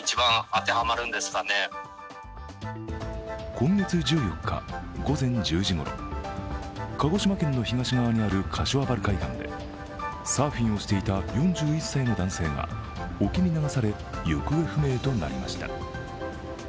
今月１４日午前１０時ごろ、鹿児島県の東側にある柏原海岸でサーフィンをしていた４１歳の男性が沖に流され行方不明となりました。